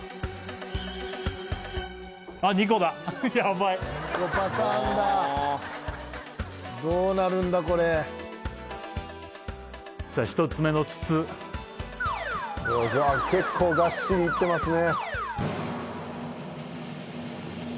もうどうなるんだこれさあ一つ目の筒結構ガッシリいってますね